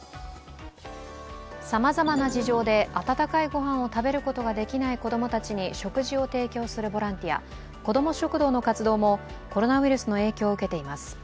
さまざま事情で温かい御飯を食べることができない子供たちに食事を提供するボランティア、こども食堂の活動もコロナウイルスの影響を受けています。